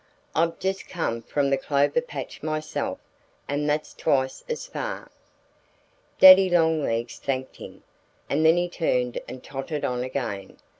"I've just come from the clover patch myself; and that's twice as far." Daddy Longlegs thanked him. And then he turned and tottered on again.